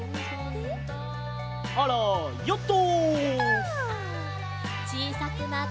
あらヨット！